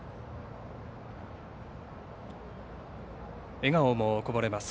笑顔もこぼれます。